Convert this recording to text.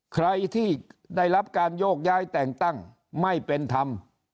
ใครที่ได้รับการโยกย้ายแต่งตั้งไม่เป็นธรรม